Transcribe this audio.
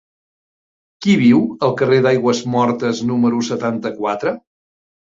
Qui viu al carrer d'Aigüesmortes número setanta-quatre?